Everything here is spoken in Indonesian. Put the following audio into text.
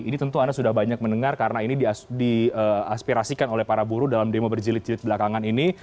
ini tentu anda sudah banyak mendengar karena ini diaspirasikan oleh para buruh dalam demo berjilid jilid belakangan ini